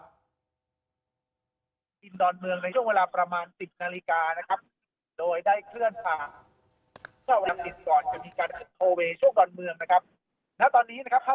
กินดอนเมืองในช่วงเวลาประมาณ๑๐นาฬิกานะครับ